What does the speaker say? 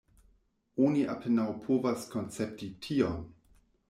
Oni apenaŭ povas koncepti tion.